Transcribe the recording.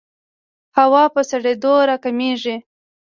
هوا په سړېدو راکمېږي.